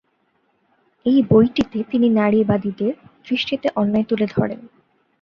এই বইটিতে তিনি নারীবাদীদের দৃষ্টিতে অন্যায় তুলে ধরেন।